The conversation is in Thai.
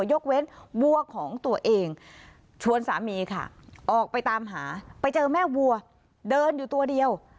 ยกเว้นวัวของตัวเองชวนสามีค่ะออกไปตามหาไปเจอแม่วัวเดินอยู่ตัวเดียว